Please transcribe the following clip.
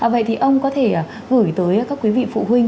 vậy thì ông có thể gửi tới các quý vị phụ huynh